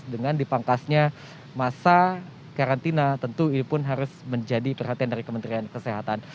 dengan dipangkasnya masa karantina tentu ini pun harus menjadi perhatian dari kementerian kesehatan